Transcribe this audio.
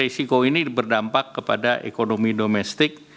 tapi resiko ini berdampak kepada ekonomi domestik